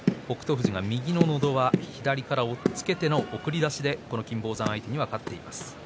富士が右ののど輪左から押っつけでの送り出しで金峰山が相手に勝っています。